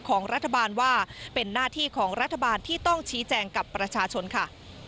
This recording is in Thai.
ของรัฐบาลว่าเป็นหน้าที่ของรัฐบาลที่ต้องชี้แจงกับประชาชนค่ะ